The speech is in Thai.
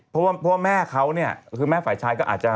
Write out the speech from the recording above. เพราะว่าพ่อแม่เขาเนี่ยคือแม่ฝ่ายชายก็อาจจะ